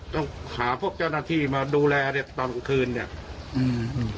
ต้องหาพวกเจ้าหน้าที่มาดูแลตอนกลางคืนเนี่ย